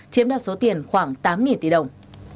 chiếm đạt số tiền khoảng tám tỷ đồng